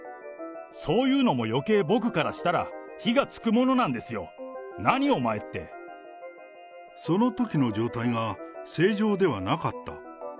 そういうのもよけい僕からしたら、火がつくものなんですよ、何、おそのときの状態が正常ではなかった？